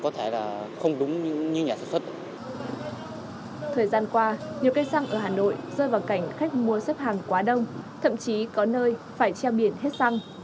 thời gian qua nhiều cây xăng ở hà nội rơi vào cảnh khách mua xếp hàng quá đông thậm chí có nơi phải treo biển hết xăng